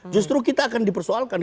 justru kita akan dipersoalkan